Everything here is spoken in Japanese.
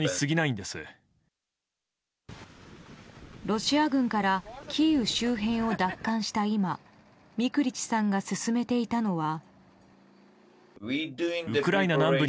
ロシア軍からキーウ周辺を奪還した今ミクリチさんが進めていたのは。